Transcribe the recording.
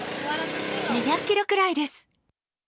２００キロくらいです。